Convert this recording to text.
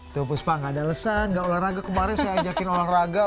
tuh puspa nggak ada lesan nggak olahraga kemarin saya ajakin olahraga